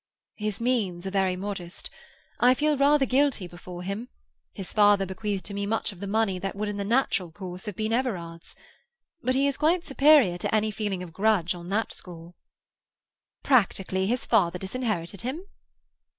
"His means are very modest. I feel rather guilty before him; his father bequeathed to me much of the money that would in the natural course have been Everard's. But he is quite superior to any feeling of grudge on that score." "Practically, his father disinherited him?"